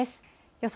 予想